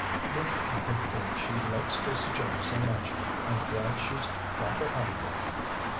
What a good thing she likes Gracie Jones so much! I'm glad she's got her out there."